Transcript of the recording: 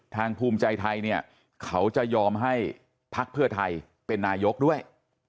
ภูมิใจไทยเนี่ยเขาจะยอมให้พักเพื่อไทยเป็นนายกด้วย